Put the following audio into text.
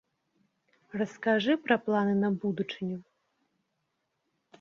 Раскажы пра планы на будучыню.